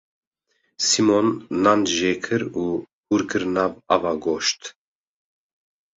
Sîmon nan jêkir û hûr kir nav ava goşt.